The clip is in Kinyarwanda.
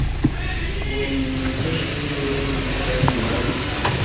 Uwo muntu yafashwe n Abayahudi kandi bari